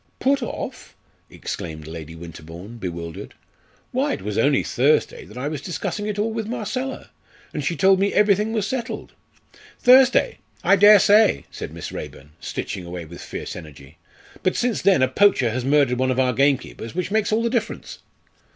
"Put off!" exclaimed Lady Winterbourne, bewildered. "Why it was only Thursday that I was discussing it all with Marcella, and she told me everything was settled." "Thursday! I dare say!" said Miss Raeburn, stitching away with fiery energy, "but since then a poacher has murdered one of our gamekeepers, which makes all the difference."